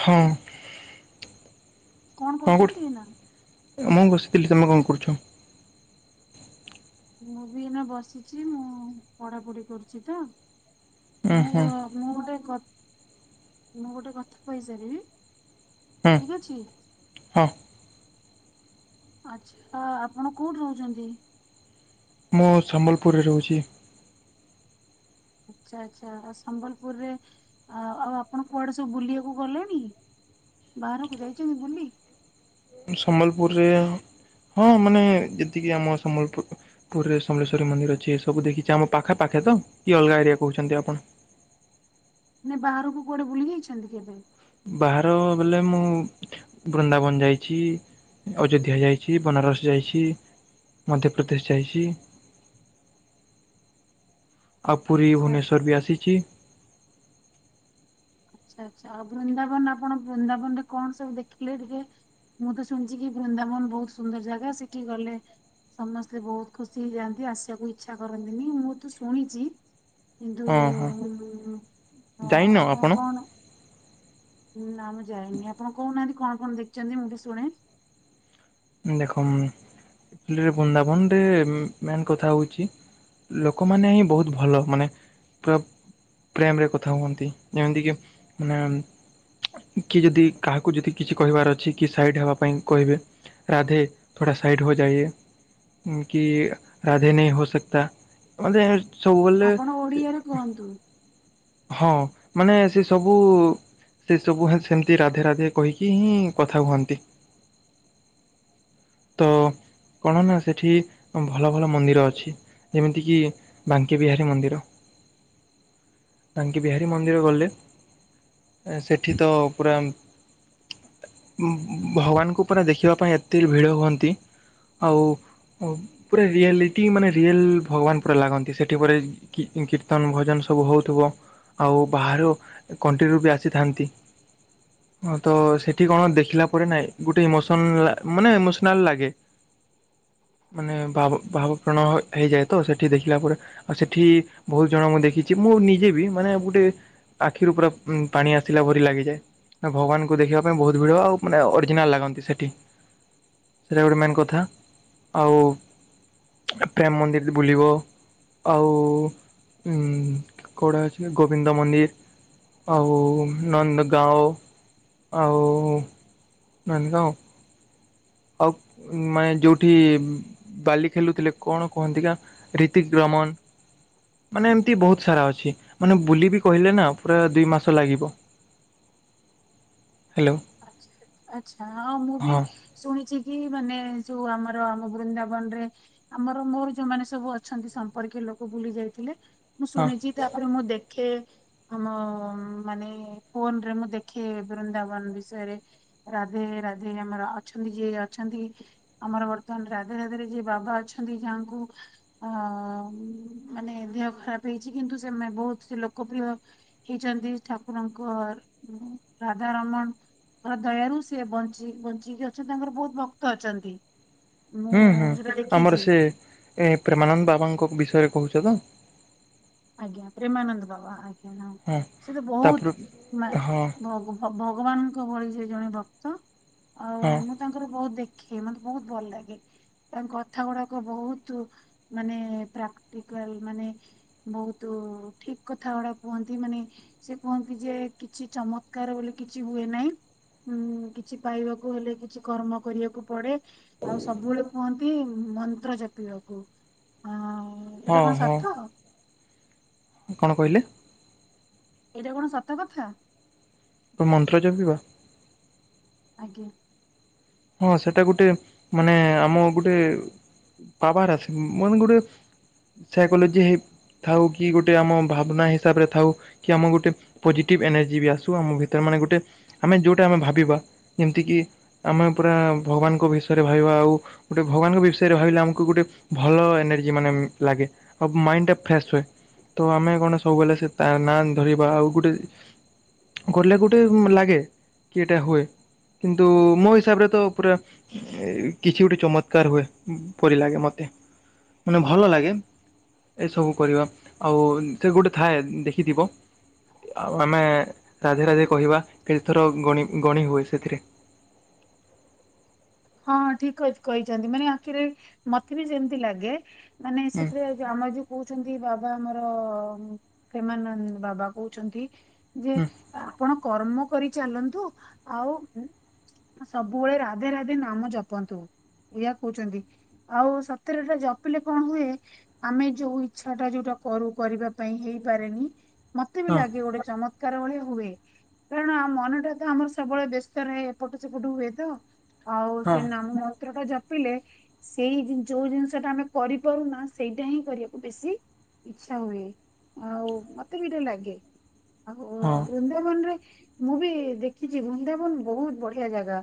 ହଁ କଣ କରୁଛନ୍ତି ଏଇନା? ମୁଁ ବସିଥିଲି ତୁମେ କଣ କରୁଛ? ମୁଁ ବି ଏଇନା ବସିଛି ମୁଁ ପଢାପଢି କରୁଛି ତ ଉଁ ମୁଁ ହୁଁ ମୁଁ ଗୋଟେ ମୁଁ ଗୋଟେ କଥା କହିସାରିବି ହୁଁ ଠିକ ଅଛି। ହଁ। ଆଚ୍ଛା ଆପଣ କୋଉଠି ରହୁଛନ୍ତି? ମୁଁ ସମ୍ବଲପୁରରେ ରହୁଛି। ଆଚ୍ଛା ଆଚ୍ଛା ସମ୍ବଲପୁରରେ ଆଉ ଆପଣ କୁଆଡେ ସବୁ ବୁଲିବାକୁ ଗଲେଣି। ବାହାରକୁ ଯାଇଛନ୍ତି ବୁଲି? ସମ୍ବଲପୁରରେ ହଁ ମାନେ ଯେତିକି ଆମ ସମ୍ବଲପୁର। ପୁରୀରେ ସମଲେଶ୍ୱରୀ ମନ୍ଦିର ଅଛି ଏବୁ ଦେଖିଛି ଆମ ପାଖପ ପାଖେ ତ କି ଅଲଗା ଏରିଆ କହୁଛନ୍ତି ଆପଣ ନ ବାହାରକୁ କୁଆଡେ ବୁଲି ଯାଇଛନ୍ତି କେବେ? ବାହାର ବଲେ ମୁଁ ବୃନ୍ଦାବନ ଯାଇଛି ଅଯୋଧ୍ୟା ଯାଇଛି ବନାରସ ଯାଇଛି। ମଧ୍ୟପ୍ରଦେଶ ଯାଇଛି। ଆଉ ପୁରୀ ଆଚ୍ଛା ଆଚ୍ଛା ଭୁବନେଶ୍ୱର ବି ଆସିଛି। ଆଚ୍ଛା ଆଚଛା ଆଉ ବୃନ୍ଦାବନ ଆପଣ ବୃନ୍ଦାବନ ରେ କଣ ସବୁ ଦେଖିଲେ ଟିକେ। ମୁଁ ତ ଶୁଣିଛି କି ବୃନ୍ଦାବନ ବହୁତ ସୁନ୍ଦର ଜାଗା ସେଠି ଗଲେ ସମସ୍ତେ ବହୁତ ଖୁସି ହେଇଯାଆନ୍ତି ଆସିବାକୁ ଇଚ୍ଛା କରନ୍ତିନି ମୁଁ ତୁ ଶୁଣିଛି କିନ୍ତୁ ହଁ ହଁ ଅ ଆପଣ କଣ ହୁଁ ନା ମୁଁ ଯାଇନି ଆପଣ କହୁନାହାନ୍ତି କଣ କଣ ଦେଖିଛନ୍ତି ମୁଁ ଟିକେ ଶୁଣେ? ଦେଖମ ବୃନ୍ଦାବନରେ ମେନ୍ କଥା ହଉଛି ଲୋକମାନେ ହିଁ ବହୁତ ଭଲ ମାନେ ପୁରା ପ୍ରେମରେ କଥା ହୁଅନ୍ତି ଯେମିତିକି ମାନେ କି ଯଦି କାହାକୁ ଯଦି କିଛି କହିବାର ଅଛି କି ସାଇଟ୍ ହେବା ପାଇଁ କହିବେ ରାଧେ ଥୋଡ଼ା ସାଇଟ ହୋ ଯାଇଏ। କି ରାଧେ ନେହି ହୋ ସକତା ସବୁବେଳେ ଆପଣ ଓଡିଆରେ କୁହନ୍ତୁ। ହଁ ମାନେ ସେ ସବୁ ସେସବୁଁ ସେମିତି ରାଧେ ରାଧେ କହିକି ହିଁ କଥା ହୁଅନ୍ତି। ତ କଣ ନା ସେଠି ଭଲ ଭଲ ମନ୍ଦିର ଅଛି। ଯେମିତି କିି ବାଙ୍କି ବିହାରୀ ମନ୍ଦିର। ବାଙ୍କି ବିହାରୀ ମନ୍ଦିର ଗଲେ ସେଠି ତ ପୁରା ଭଗବାନଙ୍କୁ ପରା ଦେଖିବା ପାଇଁ ଏତେ ଭିଡ ହୁଅନ୍ତି ଆଉ ପୁରା ରିଆଲିଟି ମାନେ ରିଏଲ୍ ଭଗବାନ ପୁରା ଲାଗନ୍ତି ସେଠି ପ କୀର୍ତ୍ତନ ଭଜନ ସବୁ ହଉଥିବ। ଆଉ ବାହାର କଣ୍ଟ୍ରିରୁ ବି ଆସିଥାନ୍ତି। ହଁ ତ ସେଠି କଣ ଦେଖିଲା ପରେ ନାଇଁ ଗୋଟେ ଇମୋସନ ମାନେ ଇମୋସନ୍ ଲାଗେ ମାନେ ଭାବ ଭାବ ପ୍ରଣ ହେଇଯାଏ ତ ସେଠି ଦେଖିଲା ପରେ ଆଉ ସେଠି ବହୁତ ଜଣ ମୁଁ ଦେଖିଛି ମୁଁ ନିଜେ ବି ମାନେ ଗୋଟେ ଆଖିରୁ ପୁରା ପାଣି ଆସିଲା ଭରି ଲାଗିଯାଏ। ନା ଭଗବାନଙ୍କୁ ଦେଖିବା ପାଇଁ ବହୁତ ଭିଡ଼ ଆଉ ମାନେ ଅରିଜିନାଲ୍ ଲାଗନ୍ତି ସେଠି। ସେଇଟା ଗୋଟେ ମେନ୍ କଥା ଆଉ ପ୍ରେମ ମନ୍ଦିରି ବି ବୁଲିବ। ଆଉ କଉଁଟା ଅଛି ଗୋବିନ୍ଦ ମନ୍ଦିର। ଆଉ ନନ୍ଦଗାଓ ଆଉ ନନ୍ଦ ଗାଓ ଆଉ ମାନେ ଯୋଉଠି। ବାଲି ଖେଲୁଥିଲେ କଣ କୁହନ୍ତି କା ରୀତିକ ରମନ। ମାନେ ଏମିତି ବହୁତ ସାରା ଅଛି ମାନେ ବୁଲି ବିି କହିଲେ ନା ପୁରା ଦୁଇ ମାସ ଲାଗିବ। ହ୍ୟାଲୋ ଆଛା ଆଛା ହଁ ମୁଁ ବି। ଶୁଣିଛି କି ମାନେ ଯୋଉ ଆମର ଆମ ବୃନ୍ଦାବନ ରେ। ଆମର ମୋର ଯୋଉ ମାନେ ସବୁ ଅଛନ୍ତି ସମ୍ପର୍କୀୟ ଲୋକ ଭୁଲି ଯାଇଥିଲେ ମୁଁ ହଁ ଶୁଣିଛି। ତାପରେ ମୁଁ ଦେଖେ। ଆମ ମାନେ ଫୋନ ରେ ମୁଁ ଦେଖେ ବୃନ୍ଦାବନ ବିଷ ବିଷୟରେ ରାଧେ ରାଧେ ଆମର ଅଛନ୍ତି ଯିଏ ଅଛନ୍ତି। ଆମର ବର୍ତ୍ତମାନ ରାଧେ ରାଧେରେ ଯିଏ ବାବା ଅଛନ୍ତି ଯାହାଙ୍କୁ। ଅଁ ମାନେ ଦେହ ଖରାପ ହେଇଛି କିନ୍ତୁ ସେ ମେ ବହୁତ ସେ ଲୋକପ୍ରିୟ। ହେଇଛନ୍ତି ଠାକୁରଙ୍କର ରାଧାରମଣ। ତାଙ୍କ ଦୟାରୁ ସେ ବଞ୍ଚି ବଞ୍ଚିକି ଅଛନ୍ତି ତାଙ୍କର ବହୁତ ଭକ୍ତ ଅଛନ୍ତି। ମୁଁ ହୁଁ ହୁଁ ଯୋଉଟା ଆମର ଦେଖିଛି ସେ ଏ ପ୍ରେମାନନ୍ଦ ବାବାଙ୍କ ବିଷୟରେ କହୁଛ ତ? ଆଜ୍ଞା ପ୍ରେମାନନ୍ଦ ବାବା ଆଜ୍ଞା ହଁ ସେ ତ ତାପରେ ବହୁତୁ ମା ହଁ ଭ ଗ ଭଗବାନଙ୍କ ଭଳି ସେ ଜଣେ ଭକ୍ତ ଆ ହଁ। ମୁଁ ତାଙ୍କର ବହୁତ ଦେଖେ ମତେ ବହୁତ ଭଲ ଲାଗେ। ତାଙ୍କ କଥା ଗୁଡାକ ବହୁତ ମାନେ ପ୍ରାକ୍ଟିକାଲ ମାନେ। ବହୁତ ଠିକ କଥା ଗୁଡା କୁହନ୍ତି ମାନେ। ସେ କୁହନ୍ତି ଯେ କିଛି ଚମତ୍କାର ବୋଲି କିଛି ହୁଏ ନାହିଁ। ହୁଁ କିଛି ପାଇବାକୁ ହେଲେ କିଛି କର୍ମ କରିବାକୁ ପଡେ। ଆଉ ସବୁବେଳେ କୁହନ୍ତି ମନ୍ତ୍ର ଜପିବାକୁ ଆ। ଏଇଟା ହଁ କଣ ହଁ ସତ। କଣ କହିଲେ? ଏଇଟା କଣ ସତ କଥା। ତୁ ମନ୍ତ୍ର ଜପିବ। ଆଜ୍ଞା। ହଁ ସେଟା ଗୋଟେ ମାନେ ଆମ ଗୋଟେ ପାୱାର ଆସେ ମାନେ ଗୋଟେ। ସାଇକୋଲୋଜି ହେଇ ଥାଉ କି ଗୋଟେ ଆମ ଭାବନା ହିସାବ ରେ ଥାଉ। କି ଆମକୁ ଗୋଟେ ପୋଜିଟିଭ ଏନର୍ଜି ବି ଆସୁ ଆମ ଭିତରେ ମାନେ ଗୋଟେ। ଆମେ ଯେଉଟା ଆମେ ଭାବିବା ଯେମିତିକି ଆମେ ପୁରା ଭଗବାନଙ୍କ ବିଷୟରେ ଭାବିବା ଆଉ। ଗୋଟେ ଭଗାବାନଙ୍କ ବିଷୟରେ ଭାବିଲେ ଆମକୁ ଗୋଟେ ଭଲ ଏନର୍ଜି ମାନେ ଲାଗେ। ଆଉ ମାଇଣ୍ଡ ଟା ଫ୍ରେଶ ହୁଏ ତ ଆମେ କଣ ସବୁବେଳେ ତା ନାଁ ଧରିବା ଆଉ ଗୋଟେ। କୋଉଠି ନା କୋଉଠି ଲାଗେ କି ଏଟା ହୁଏ କିନ୍ତୁ ମୋ ହିସାବରେ। ତ ପୁରା କିଛି ଗୋଟେ ଚମତ୍କାର ହୁଏ ପରି ଲାଗେ ମତେ। ମାନେ ଭଲ ଲାଗେ। ଏସବୁ କରିବା ଆଉ ସେ ଗୋଟେ ଥାଏ ଦେଖିଥିବ। ଆଉ ଆମେ ରାଧେ ରାଧେ କହିବା କେତେ ଥର ଗଣି ଗଣି ହୁଏ ସେଥିରେ। ହଁ ଠିକ କ‌ଥ୍ କହିଛନ୍ତି ମାନେ ଆକଚୁଲି ମତେ ବି ସେମତି ଲାଗେ ମାନେ ହୁଁ ସେଥିରେ। ଯେ ଆମ ଯୋଉ କହୁଛନ୍ତି ବାବା ଆମର ପ୍ରେମାନନ୍ଦ ବାବା କହୁଛନ୍ତି। ଯେ ହୁଁ ଆପଣ। କର୍ମ କରି ଚାଲନ୍ତୁ ଆଉ ସବୁବେଳେ ରାଧେ ରାଧେ। ନାମ ଜପନ୍ତୁ ଏଇଆ କହୁଛନ୍ତି ଆଉ ସତେର ତ ଜପିଲେ କଣ ହୁଏ। ଆମେ ଯୋଉ ଇଚ୍ଛା ଟା ଯୋଉଟା କରୁ କରିବା ପାଇଁ ହେଇପାରେନି ମତେ ବି ହଁ ଲାଗେ ଗୋଟେ ଚମ କାର ହୁଏ କାରଣ ମନଟା ତ ଆମର ସବୁବେଳେ ବ୍ୟସ୍ତ ରହ ଏପଟ ସେପଟ ହୁଏ ତ। ଆଉ ହଁ ସେ ନାମ ମନ୍ତ୍ର ଟା ଜ ପିଲେ ସେଇ ଯୋଉ ଜିନିଷ ଟା ଆମେ କରିପାରୁନା ସେଇଟା ହିଁ କରିବାକୁ ବେଶୀ। ଇଛା ହୁଏ ଆଉ ମତେ ବି ତ ଲାଗେ ଆଉ ବୃନ୍ଦା। ବୃନ୍ଦାବନ ରେ ମୁଁ ବି ଦେଖିଛି ବୃନ୍ଦାବନ ବହୁତ ବଢିଆ ଜାଗା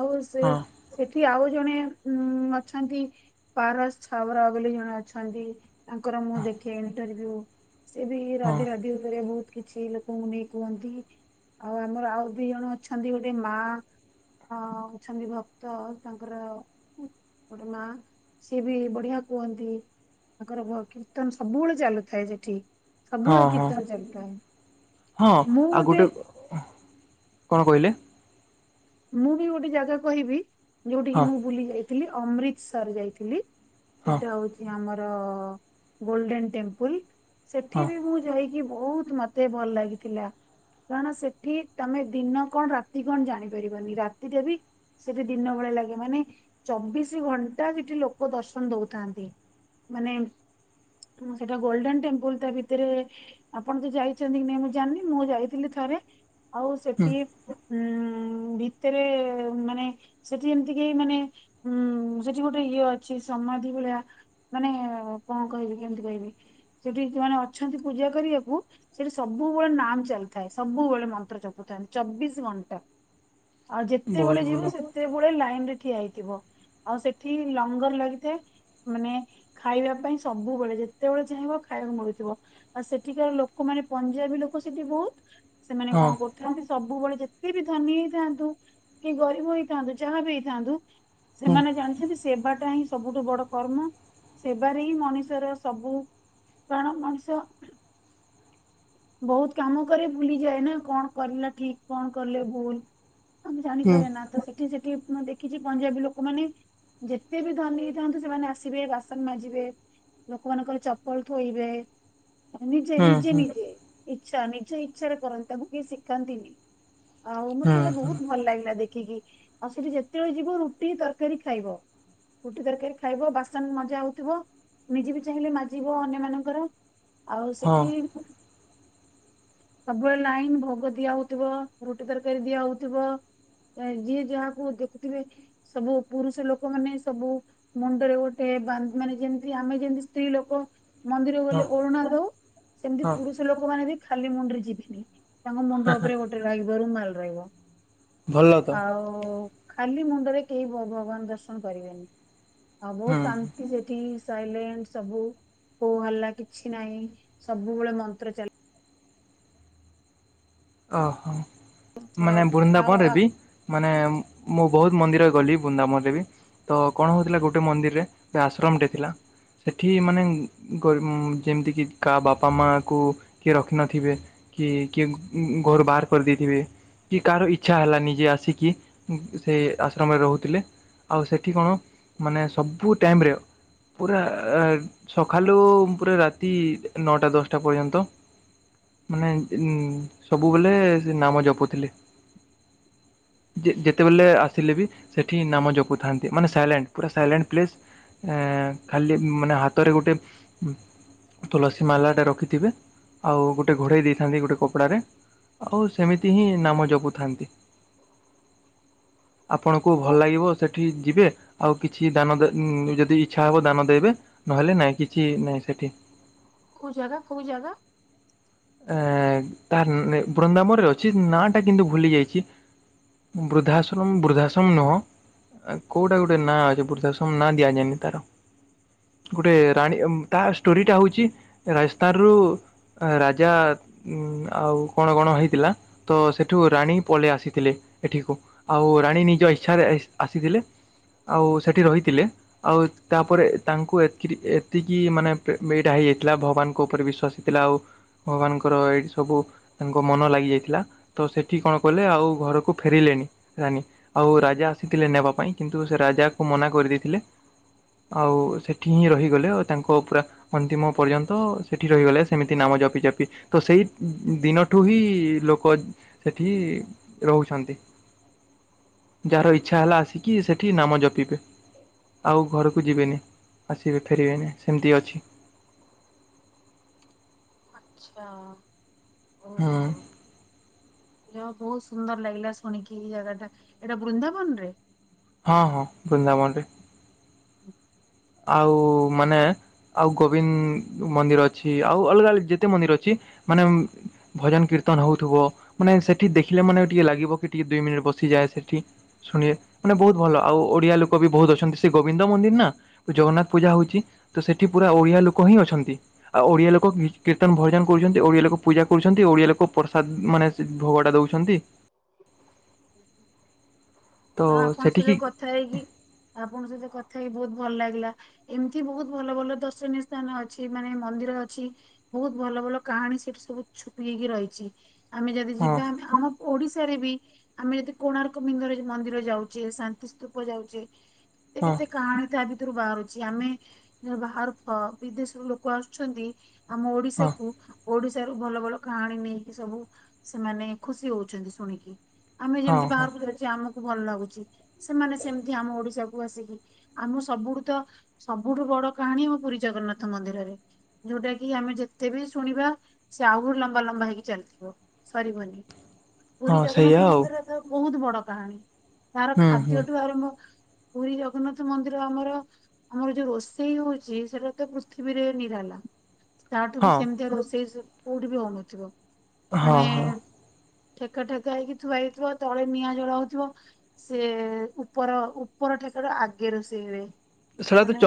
ଆଉ ସେ ହଁ ସେଠି ଆଉ ଜଣେ ଉଁ ଅଛନ୍ତି ପାରସ ଛାବରା ବୋଲି ଜଣେ ଅଛନ୍ତି। ତାଙ୍କର ମୁଁ ଦେଖେ ଇଣ୍ଟରଭି୍ୟୁ ସି ବି ହଁ ହଁ ରାଧେ ରାଧି ଉପରେ ବହୁତ କିଛି ଲୋକଙ୍କୁ ନେଇ କୁହନ୍ତି ଆଉ ଆମର ଆଉ ଦି ଜଣ ଅଛନ୍ତି ଗୋଟେ ମା ଅ ଅଛନ୍ତି ଭକ୍ତ ତାଙ୍କର ଗୋଟେ ମା ସିଏ ବି ବଢିଆ କୁହନ୍ତି। ତାଙ୍କର କୀର୍ତ୍ତନ ସବୁବେଳେ ଚାଲୁଥାଏ ସେଠି ସବୁବେଳେ ହଁ ହଁ ହଁ କୀର୍ତ୍ତନ ଚାଲିଥାଏ ମୁଁ ଗୋଟେ କଣ କହିଲେ? ମୁଁ ବି ଗୋଟେ ଜାଗା କହିବି ଯୋଉଠ କିି ହଁ ମୁଁ ବୁଲି ଯାଇଥିଲି ଅମୃତସର ଯାଇଥିଲି। ହଁ ସେଟା ହଉଛି ଆମର ଗୋଲଡେନ ଟେମ୍ପଲ ହଁ ସେଠି ବି ମୁଁ ଯାଇକି ବହୁତ ମତେ ଭଲ ଲାଗିଥିଲା। କାରଣ ସେଠି ତମେ ଦିନ କଣ ରାତି କଣ ଜାଣିପାରିବନି ରାତିରେ ବି ସେଠି ଦିନ ଭଳିଆ ଲାଗେ ମାନେ ଚବିଶି ଘଣ୍ଟା ସେଠି ଲୋକ ଦର୍ଶନ ଦଉଥାନ୍ତି। ମାନେ ସେଟା ଗୋଲଡେନ ଟେମ୍ପୁଲ ତା ଭିତରେ ଆପଣ ତ ଯାଇଛନ୍ତି କି ନାଇଁ ମୁଁ ଜାଣିନି ମୁଁ ଯାଇଥିଲି ଥରେ ଆଉ ହୁଁ ସେଠି ଉ ଭିତରେ ମାନେ ସେଠି ଏମିତିକ ମାନେ ଉଁ ସେଠି ଗୋଟେ ଇଏ ଅଛି ସମାଧି ଭଳିଆ ମାନେ କଣ କହିବି କେମିତି କହିବି ସେଠି ଯୋଉମାନେ ଅଛନ୍ତି ପୂଜା କରିବାକୁ। ସେଠି ସବୁବେଳେ ନାମ ଚାଲିଥାଏ ସବୁବେଳେ ମନ୍ତ୍ର ଚପୁଥାନ୍ତି ଚବିଶ ଘଣ୍ଟା। ଆଉ ବହୁତ ଯେତେବେଳେ ଭଲ ଯିବ ସେତେବେଳେ ଲାଇନ ରେ ଠିଆ ହେଇଥିବ। ଆଉ ସେଠି ଲଙ୍ଗର ଲାଗିଥାଏ ମାନେ ଖାଇବା ପାଇଁ ସବୁବେଳେ ଯେତେବେଳେ ଚାହିଁବ ଖାଇବାକୁ ମିଳୁଥିବ। ଆଉ ସେଠିକାର ଲୋକମାନୋନେ ପଞ୍ଜାବୀ ଲୋକ ସେଠି ବହୁତ ସେମାନେ ହଁ କଣ କରୁଥାନ୍ତି ସବୁବେଳେ ଯେତେ ବି ଧନୀ ହେଇଥାନ୍ତୁ କି ଗରିବ ହେଇଥାନ୍ତୁ ଯାହା ବି ହେଇଥାନ୍ତୁ ହୁଁ ସେମାନେ ଜାଣିଛନ୍ତି ସେବାଟା ହିଁ ସବୁଠୁ ବଡ କର୍ମ ସେବାରେ ହିଁ ମଣିଷର ସବୁ କାରଣ ମଣିଷ ବହୁତ କାମ କ ଭୁଲିଯାଏ ନା କଣ କରିଲା ଠିକ କଣ କଲେ? ଲ ଆମେ ହୁଁ ଜାଣିପାରେ ନା ତ ସେଠି ସେଠି ମୁ ଦେଖିଛି ପଞ୍ଜାବୀ ଲୋକମାନେ ଯେତେ ବି ଧନୀ ହେଥାନ୍ତୁ ସେମାନେ ଆସିବେ ବାସନ ମାଜିବେ ଲୋକମାନଙ୍କର ଚପଲ ଥୋଇବେ। ନିଜେ ହୁଁ ନିଜେ ହୁଁ ନିଜେ ଇଚଛା ନିଜେ ଇଚ୍ଛାରେ କରନ୍ତି ତାକୁ କେହି ଶିଖାନ୍ତିନି। ଆଉ ମତେ ହୁଁ ସେଇଟା ହୁଁ ବହୁତ ଭଲ ଲାଗିଲା ଦେଖିକି ଆଉ ସେଠି ଯେତେବେଳେ ଯିବ ରୁଟି ତରକାରୀ ଖାଇବ। ଗୁଟି ତରକାରୀ ଖାଇବ ବାସନ ମଜା ହଉଥିବ। ମିଜିବ ଚାହିଁଲେ ମାଜିବ ଅନ୍ୟ ମାନଙ୍କର ଆଉ ହଁ ସେଠି ସବୁବେଳେ ଲାଇନ ଭୋଗ ଦିଆ ହଉଥିବ। ରୁଟି ତରକାରୀ ଦିଆ ହଉଥିବ ଯିଏ ଯାହାକୁ ଦେଖୁଥିବେ। ସବୁ ପୁରୁଷ ଲୋକମାନୋନେ ସବୁ ମୁଣ୍ଡରେ ଗୋଟେ ମାନେ ଯେମତି ଆମେ ଯେମତି ସ୍ତ୍ରୀ ଲୋକ ମନ୍ଦିରକୁ ଗଲେ ହଁ ଅରୁଣା ଦଉ ସେମିତି ହଁ ପୁରୁଷ ଲୋକମାନୋନେ ବି ଖାଲି ମୁଣ୍ଡରେ ଯିବେନି। ତାଙ୍ଗ ମୁଣ୍ଡପରେେ ହୋଟୋଗ ବ ରମ ମଲରେଗ ଭଲ ତ ଆଉ ଖାଲି ମୁଣ୍ଡରେ କେହି ଭଗବାନ ଦର୍ଶନ କରିବେନି ଆଉ ବହୁତ ହୁଁ ଶାନ୍ତି ସେଠି ସଟ ସବୁ କୋଉ ହେଲା କିଛି ନହିଁ ସବୁବେଳେ ମନ୍ତ୍ର ଚା ଓହୋ। ଚାଲିଥିବ ମାନେ ଆଉ ବୃନ୍ଦାବନରେ ଆଉ ବି ମାନେ ମୁଁ ବହୁତ ମନ୍ଦିର ଗଲି ବୃନ୍ଦାବନରେ ବି ତ କଣ ହଉଥିଲା ଗୋଟେ ମନ୍ଦିରରେ ବା ଆଶ୍ରମଟେ ଥିଲା। ସେଠି ମାନେ ଯେମିତିକି କା ବାପା ମାଙ୍କୁ କିଏ ରଖିନଥିବେ। କି କିଏ ଘରୁ ବାହାର କରିଦେଇଥିବେ। କି କାହାର ଇଚଛା ହେଲାନିଜେ ଆସିକି ସେ ଆଶ୍ରମରେ ରହୁଥିଲେ। ଆଉ ସେଠି କଣ ମାନେ ସବୁ ଟାଇମରେ। ପୁରା ଆହ୍ ସଖାଲୁ ପୁରା ରାତି ନଅଟା ଦଶଟା ପର୍ଯ୍ୟନ୍ତ। ମାନେ ଉଁ ସବୁବେଲେ ସେ ନାମ ଜପୁଥିଲେ। ଯେ ଯେତେବେଲେ ଆସିଲେ ବି ସେଠି ନାମ ଜପୁଥାନ୍ତି। ମାନେ ସାଇଲେଣ୍ଟ ପୁରା ସାଇଲେଣ୍ଟ ପ୍ଲେସ୍। ଏଁ ଖାଲି ମାନେ ହାତରେ ଗୋଟେ ତୁଲସୀ ମାଲାଟା ରଖିଥିବେ। ଆଉ ଗୋଟେ ଘୋଡେଇ ଦେଇଥାନ୍ତି ଗୋଟେ କପଡାରେ। ଆଉ ସେମିତି ହିଁ ନାମ ଜପୁଥାନ୍ତି। [inaudible] ଆପଣଙ୍କୁ ଭଲ କୋଉ ଲାଗିବ ସେଠି ଯିବେ? ଆଉ କିଛି ଦାନ ଯଦି ଇଚ୍ଛା ହବ ଦାନ ଦେବେ। ନହେଲେ ନାଇଁ କିଛି ନାଇଁ ସେଠି। କୋଉ ଜାଗା କୋଉ ଜାଗା। ଆ ତାର ବୃନ୍ଦାବନରେ ଅଛି। ନା ଟା କିନ୍ତୁ ଭୁଲି ଯାଇଛି। ବୃଦ୍ଧାଶ୍ରମ ବୃଦ୍ଧାଶ୍ରମ ନୁହଁ। କୋଉଟା ଗୋଟେ ନାଁ ଅଛି। ବୃଦ୍ଧାଶ୍ରମ ନାଁ ଦିଆଯାଏନି ତାର। ଗୋଟେ ରାଣୀ ତା ଷ୍ଟୋରି ଟା ହଉଛି ରାଜସ୍ଥାରୁ ରାଜା ଉ ଆଉ କଣ କଣ ହେଇଥିଲା। ତ ସେ ଏଠୁ ରାଣୀ ପଳେଇ ଆସିଥିଲେ। ଏଠିକୁ ଆଉ ରାଣୀ ନିଜ ଇଚ୍ଛାରେ ଆସିଥିଲେ। ଆଉ ସେଠି ରହିଥିଲେ। ଆଉ ତାପରେ ତାଙ୍କୁ ଏକ ଏତିକି ମାନେ ଏଇଟା ହେଇଯାଇଥିଲା ଭଗବାନଙ୍କ ଉପରେ ବିଶ୍ଵାସି। ଥିଲା ଆଉ ଭଗବାନଙ୍କର ଏଇଠି ସବୁ ତାଙ୍କ ମନ ଲାଗି ଯାଇଥିଲା। ତ ସେଠି କଣ କଲେ ଆଉ ଘରକୁ ଫେରିଲେଣିି। ରାନୀ ଆଉ ରାଜା ଆସିଥିଲେ ନେବା ପାଇଁ। କିନ୍ତୁ ସେ ରାଜାକୁ ମନା କରିଦେଇଥିଲେ। ଆଉ ସେଠି ହିଁ ରହିଗଲେ। ଆଉ ତାଙ୍କ ପୁରା ଅନ୍ତିମ ପର୍ଯ୍ୟନ୍ତ ସେଠି ରହିଗଲେ। ସେମିତି ନାମ ଜପିଜପି। ତ ସେଇ ଦିନଠୁ ହିଁ ଲୋକ ସେଠି ରହୁଛନ୍ତି। ଯାହାର ଇଛା ହେଲା ଆସିକି ସେଠି ନାମ ଜପିବେ। ଆଉ ଘରକୁ ଯିବେନି ଆସିବେ ଫେରିବେନି ସେମିତି ଅଛି। ଆଚ୍ଛା ହୁଁ ଓହୋ। ଯାହ ହଉ ବହୁତ ସୁନ୍ଦର ଲାଗିଲା ଶୁଣିକି ଏଇ ଜାଗା ଟା। ଏଇଟା ବୃନ୍ଦାବନ ରେ? ହଁ ହଁ ବୃନ୍ଦାବନରେ। ଆଉ ମାନେ ଆଉ ଗୋବିନ୍ ମନ୍ଦିର ଅଛି। ଆଉ ଅଲଗା ଅଲା ଯେତେ ମନ୍ଦିର ଅଛି। ମାନେ ଭଜନ୍ କୀର୍ତନ ହଉଥିବ। ମାନେ ସେଠି ଦେଖିଲେ ମାନେ ଟିକେ ଲାଗିବ କି ଟିକେ ଦୁଇ ମିନିଟ୍ ବସିଯାଏ ସେଠି। ଶୁଣିବେ ମାନେ ବହୁତ ଭଲ। ଆଉ ଓଡିଆ ଲୋକ ବି ବହୁତ ଅଛନ୍ତି। ସେ ଗୋବିନ୍ଦ ମନ୍ଦିର୍ ନା। ଜଗନ୍ନାଥ ପୂଜା ହଉଛି। ତ ସେଠି ପୁରା ଓଡିଆ ଲୋକ ହିଁ ଅଛନ୍ତି। ଆଉ ଓଡିଆ ଲୋକ କୀର୍ତ୍ତନ୍ ଭଜନ୍ କରୁଛନ୍ତି। ଓଡିଆ ଲୋକ ପୂଜା କରୁଛନ୍ତି। ଓଡିଆ ଲୋକ ପ୍ରସାଦ ମାନେ ଭୋଗଟା ଦଉଛନ୍ତି। [unintelligible] ତ ଆଉ ଆପଣଙ୍କ ସହିତ ସେଠିକି କଥା ହେଇକି ଆପଣଙ୍କ ସହିତ କଥା ହେଇକି ବହୁତ ଭଲ ଲାଗିଲା। ଏମିତି ବହୁତ ଭଲ ଭଲ ଦର୍ଶନୀୟ ସ୍ଥାନ ଅଛି। ମାନେ ମନ୍ଦିର ଅଛି। ବହୁତ ଭଲ ଭଲ କାହାଣୀ ସେଠି ସବୁ ଛୁପି ହେଇକି ରହିଛି। ଆମେ ଯଦି ହଁ ଯିବା ଆମେ ଆମ ଓଡିଶାରେ ବି ଆମେ ଯଦି କୋଣାର୍କ ବିନ୍ଦର ମନ୍ଦିର ଯୋଉ ଯାଉଛେ ଶାନ୍ତି ସ୍ତୂପ ଯାଉଛେ। କେତେ ହଁ କେତେ କାହାଣୀ ତା ଭିତରୁ ବାହାରୁଛି। ଆମେ ଯୋଉ ବାହାରୁଥିବ ବିଦେଶରୁ ଲୋକ ଆସୁଛନ୍ତି। ଆମ ହଁ ଓଡିଶାକୁ ଓଡିଶାରୁ ଭଲ ଭଲ କାହାଣୀ ନେଇକି ସବୁ ସେମାନେ ଖୁସି ହଉଛନ୍ତି ଶୁଣିକି। ଆମେ ହଁ ଯେମିତି ହଁ ବାହାରକୁ ଯାଉଛେ ଆମକୁ ଭଲ ଲାଗୁଛି। ସେମାନେ ସେମିତି ଆମ ଓଡିଶାକୁ ଆସିକି ଆମ ସବୁଠୁ ତ ସବୁଠୁ ବଡ କାହାଣୀ ଆମ ପୁରୀ ଜଗନ୍ନାଥ ମନ୍ଦିରରେ। ଯୋଉଟା କି ଆମେ ଯେତେ ବି ଶୁଣିବା ସେ ଆହୁରି ଲମ୍ବା ଲମ୍ବା ହେଇକି ଚାଲିଥିବ। ସରିବନି ପୁରୀ ହଁ ସେଇଆ ଜଗନ୍ନାଥ ଆଉ ମନ୍ଦିରର ତ ବୋହୁତ ବଡ କାହାଣୀ। ତାର ହୁଁ ହୁଁ ଖାଦ୍ୟଠୁ ଆରମ୍ଭ ପୁରୀ ଜଗନ୍ନାଥ ମନ୍ଦିର ଆମର ଆମର ଯୋଉ ରୋଷେଇ ହୋଉଚି ସେଟା ତ ପୃଥିବୀରେ ନିରାଲା। ତାଠୁ ବି ହଁ ସେମିତିଆ ରୋଷେଇ ସେ କୋଉଠି ବି ହୋଉନଥିବ ହଁ ମାନେ ହଁ ଠେକା ଠେକା ହେଇକି ଥୁଆହେଇଥିବ ତଳେ ନିଆଁ ଜଳାହୋଉଥୁବ। ସିଏ ଉପର ଉପର ଠେକାର ଆଗେ ରୋଷେଇ ହୁଏ। ସେଡା ତ ଚ ମାନେ